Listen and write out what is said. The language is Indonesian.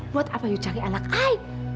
buat apa you cari anak ayah